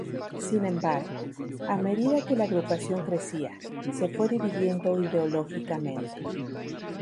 Sin embargo, a medida que la agrupación crecía, se fue dividiendo ideológicamente.